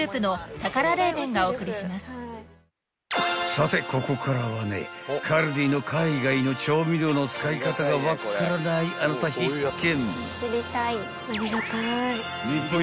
［さてここからはねカルディの海外の調味料の使い方が分っからないあなた必見］